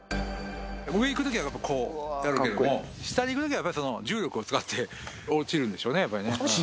上行くときはこうやるけれども、下に行くときは重力を使って落ちるんでしょうね、やっぱりね。